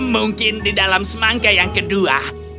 mungkin di dalam semangka yang kedua